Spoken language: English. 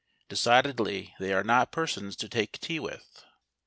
Decidedly, they are not persons to take tea with.